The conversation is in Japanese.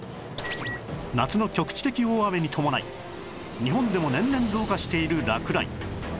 夏の局地的大雨に伴い日本でも年々増加している落雷